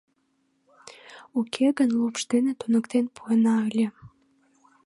Уке гын лупш дене туныктен пуэна ыле.